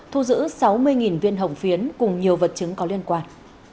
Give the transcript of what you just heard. thu giữ sáu mươi viên hồng phiến cùng nhiều vật chứng có liên quan